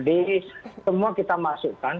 jadi semua kita masukkan